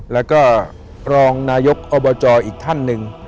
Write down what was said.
แล้วก็รองนายกอบจอีกท่านหนึ่ง